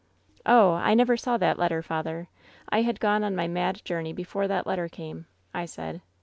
" 'Oh ! I never saw that letter, father ! I had gone on my mad journey before that letter came !' I said.